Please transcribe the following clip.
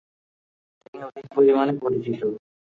তিনি অধিক পরিমাণে পরিচিত।